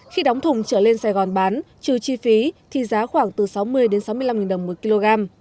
khi đóng thùng trở lên sài gòn bán trừ chi phí thì giá khoảng từ sáu mươi sáu mươi năm đồng một kg